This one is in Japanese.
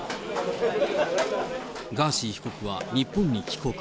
ガーシー被告は日本に帰国。